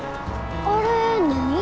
あれ何？